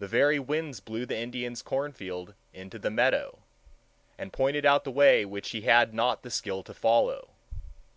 The very winds blew the Indian's cornfield into the meadow, and pointed out the way which he had not the skill to follow.